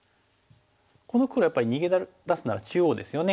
この黒やっぱり逃げ出すなら中央ですよね。